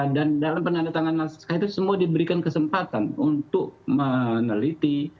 dan dalam penandatangan naskah itu semua diberikan kesempatan untuk meneliti